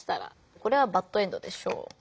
これはバッドエンドでしょう。